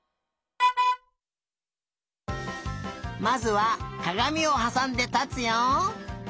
まずはかがみをはさんでたつよ。